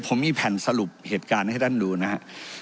ผมมีแผ่นสรุปเหตุการณ์ให้ท่านดูนะฮะ